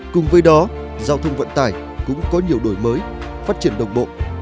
cùng với đó giao thông vận tải cũng có nhiều đổi mới phát triển đồng bộ